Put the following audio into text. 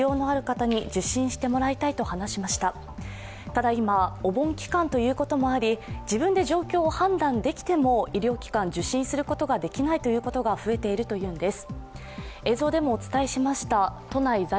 ただ、今、お盆期間ということもあり、自分で状況を判断できても医療機関、受診することができないということが増えているんです。